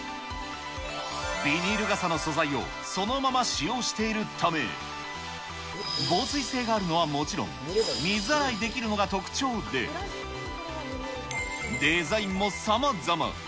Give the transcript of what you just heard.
ビニール傘の素材をそのまま使用しているため、防水性があるのはもちろん、水洗いできるのが特徴で、デザインもさまざま。